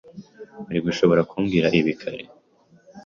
Wari gushobora kumbwira ibi kare.